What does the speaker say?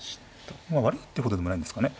まあ悪いってほどでもないんですかね